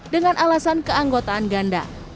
dengan alasan keanggotaan ganda